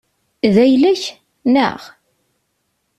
D ayla-k, neɣ?